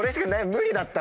無理だった。